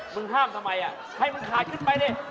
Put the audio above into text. ห้ามทำไมให้มันขาดขึ้นไปดิ